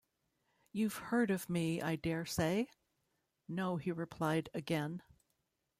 ‘You’ve heard of me, I daresay?’ ‘No,’ he replied again.